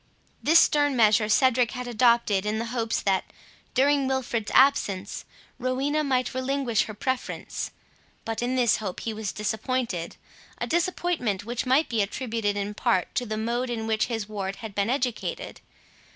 This stern measure Cedric had adopted, in hopes that, during Wilfred's absence, Rowena might relinquish her preference, but in this hope he was disappointed; a disappointment which might be attributed in part to the mode in which his ward had been educated.